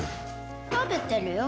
食べてるよ。